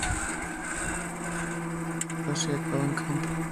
Empieza en Castejón de Sos y acaba en Campo.